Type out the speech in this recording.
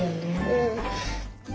うん。